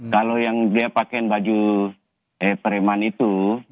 kalau yang dia pakai baju pereman itu